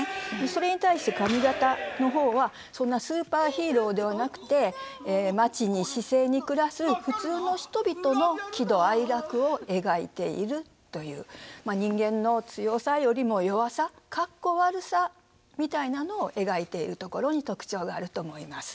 それに対して上方の方はそんなスーパーヒーローではなくて町に市井に暮らす普通の人々の喜怒哀楽を描いているというまあ人間の強さよりも弱さかっこ悪さみたいなのを描いているところに特徴があると思います。